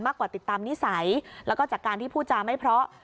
กว่าติดตามนิสัยแล้วก็จากการที่พูดจาไม่เพราะ